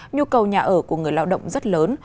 nhu cầu nhà ở của người lao động rất lớn